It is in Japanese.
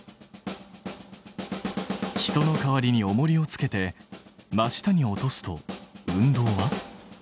人の代わりにおもりをつけて真下に落とすと運動は？